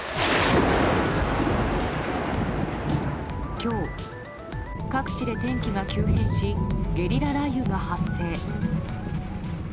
今日、各地で天気が急変しゲリラ雷雨が発生。